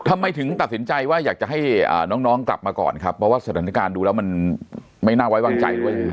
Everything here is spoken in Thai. ทำไมถึงตัดสินใจว่าอยากจะให้น้องกลับมาก่อนครับเพราะว่าสถานการณ์ดูแล้วมันไม่น่าไว้วางใจด้วย